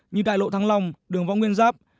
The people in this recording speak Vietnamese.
như đại lộ thăng long đường võng nguyên giáp